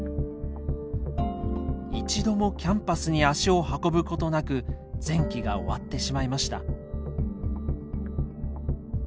一度もキャンパスに足を運ぶことなく前期が終わってしまいました。